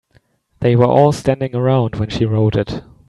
They were all standing around when she wrote it.